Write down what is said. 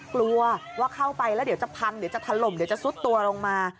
กลัวว่าเข้าไปแล้วเดี๋ยวจะพังเดี๋ยวจะถล่มเดี๋ยวจะซุดตัวลงมา